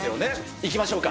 いきましょうか。